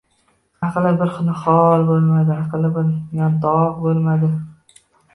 Aqalli bir nihol bo‘lmadi. Aqalli bir... yantoq bo‘lmadi!